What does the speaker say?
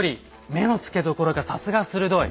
目のつけどころがさすが鋭い。